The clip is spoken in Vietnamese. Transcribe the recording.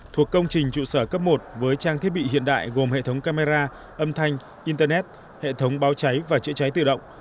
thuộc công trình trụ sở cấp một với trang thiết bị hiện đại gồm hệ thống camera âm thanh internet hệ thống báo cháy và chữa cháy tự động